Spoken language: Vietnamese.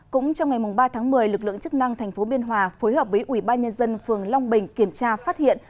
cũng trong ngày ba tháng một mươi lực lượng chức năng tp biên hòa phối hợp với ủy ban nhân dân phường long bình kiểm tra phát hiện